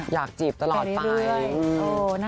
อยากจีบตลอดไป